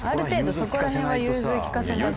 そこら辺融通利かせないとさ」。